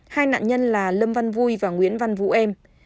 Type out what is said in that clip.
hai nạn nhân là lâm văn vui và nguyễn văn vũ em